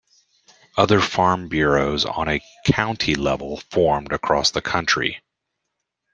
Other farm bureaus on a county level formed across the country.